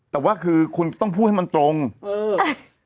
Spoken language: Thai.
แต่ว่าคือคุณต้องพูดให้มันตรงเออ